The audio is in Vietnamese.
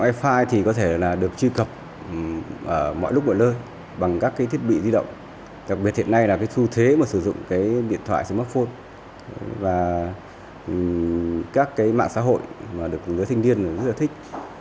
wi fi thì có thể là được truy cập ở mọi lúc mọi nơi bằng các cái thiết bị di động đặc biệt hiện nay là cái thu thế mà sử dụng cái điện thoại smartphone và các cái mạng xã hội mà được người sinh niên rất là thích